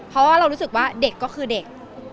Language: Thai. เพราะว่าเรารู้สึกว่าเด็กก็คือเด็ก